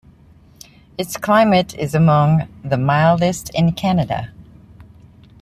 Its climate is among the mildest in Canada.